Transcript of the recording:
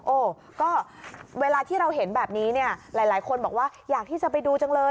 โอ้ก็เวลาที่เราเห็นแบบนี้เนี่ยหลายคนบอกว่าอยากที่จะไปดูจังเลย